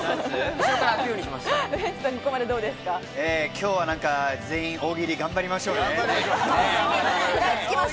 きょうはなんか全員大喜利、頑張りましょうね。